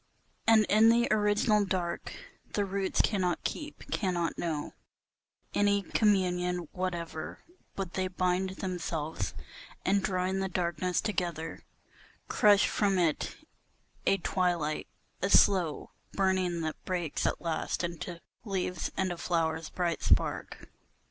And in the original dark the roots cannot keep, cannot know Any communion whatever, but they bind themselves on to the dark, And drawing the darkness together, crush from it a twilight, a slow Burning that breaks at last into leaves and a flower's bright spark.